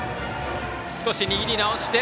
少し握り直して。